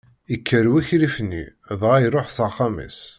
Ikker wukrif-nni, dɣa iṛuḥ s axxam-is.